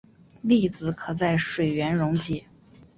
粒子可在水源溶解。